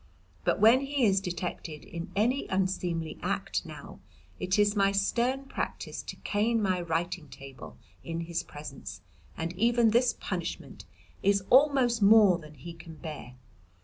But when he is detected in any unseemly act now, it is my stern practice to cane my writing table in his presence, and even this punishment is almost more than he can bear.